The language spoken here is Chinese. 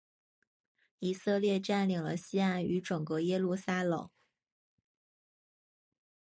以色列占领了西岸与整个耶路撒冷。